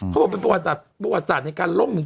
เขาบอกเป็นประวัติศาสตร์ในการล่มหนึ่ง